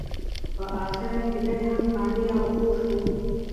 په اخره کې دی هم قانع او پوه شو.